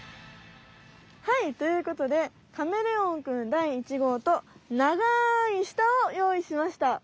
はいということでカメレオン君第１号と長い舌をよういしました！